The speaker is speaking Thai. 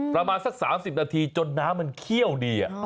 ประมาณสัก๓๐นาทีจนน้ำมันเคี่ยวดี